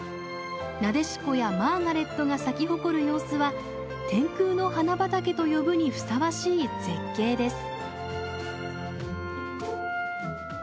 なでしこやマーガレットが咲き誇る様子は天空の花畑と呼ぶにふさわしい絶景です。